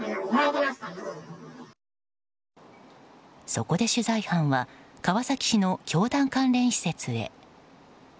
そこで取材班は川崎市の教団関連施設へ。